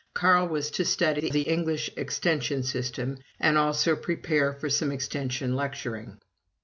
Carl was to study the English Extension system and also prepare for some Extension lecturing.